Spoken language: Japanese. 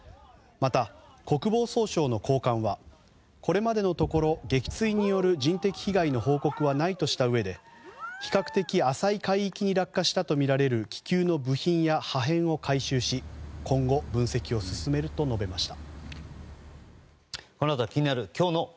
また、国防総省の高官はこれまでのところ撃墜による人的被害の報告はないとしたうえで比較的浅い海域に落下したとみられる気球の部品や破片を回収し今後分析を進めると述べました。